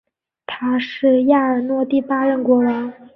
他是亚尔诺第八任国王。